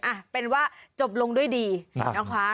อ่ะเป็นว่าจบลงด้วยดีนะคะ